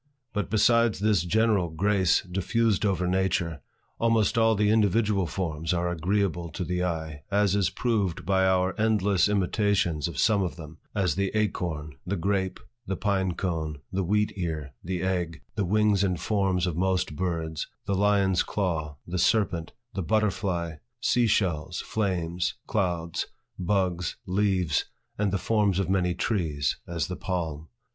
But besides this general grace diffused over nature, almost all the individual forms are agreeable to the eye, as is proved by our endless imitations of some of them, as the acorn, the grape, the pine cone, the wheat ear, the egg, the wings and forms of most birds, the lion's claw, the serpent, the butterfly, sea shells, flames, clouds, buds, leaves, and the forms of many trees, as the palm.